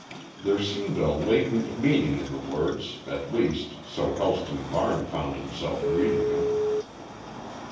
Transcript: There seemed a latent meaning in the words, at least, so Helston Varne found himself reading them.